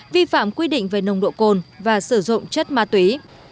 vi phạm quy định về nồng độ cồn và sử dụng chất ma túy